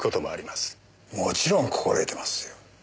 もちろん心得てますよ。